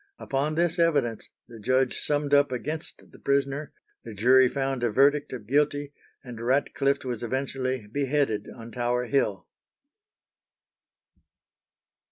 Upon this evidence the judge summed up against the prisoner, the jury found a verdict of guilty, and Ratcliffe was eventually beheaded on Tower Hill.